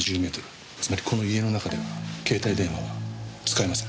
つまりこの家の中では携帯電話は使えません。